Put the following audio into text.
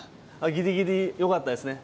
ギリギリよかったですね